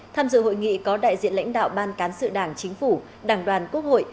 tham dự hội nghị có đại diện lãnh đạo ban cán sự đảng chính phủ đảng đoàn quốc hội